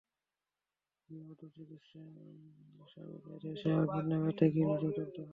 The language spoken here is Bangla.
গৃহবধূর চিৎকারে স্বামী বাইরে এসে আগুন নেভাতে গিয়ে নিজেও দগ্ধ হন।